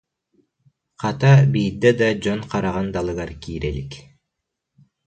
Хата, биирдэ да дьон хараҕын далыгар киирэ илик